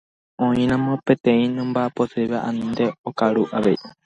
Oĩramo peteĩ nomba'aposéiva anínte okaru avei.